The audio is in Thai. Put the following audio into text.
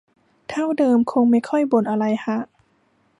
เท่าเดิมคงไม่ค่อยบ่นอะไรฮะ